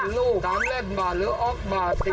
๓ลูก๓แรกบาทหรือออกบาท